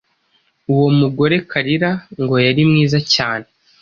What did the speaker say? Uwo mugore Kalira ngo yari mwiza cyane,